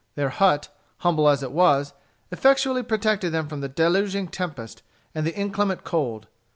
Their hut, humble as it was, effectually protected them from the deluging tempest and the inclement cold.